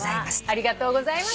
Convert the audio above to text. ありがとうございます。